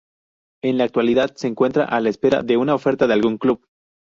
En la actualidad se encuentra a la espera de una oferta de algún club.